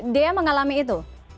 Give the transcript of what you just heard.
dea mengalami itu